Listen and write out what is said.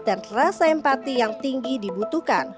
integritas para pejabat dan rasa empati yang tinggi dibutuhkan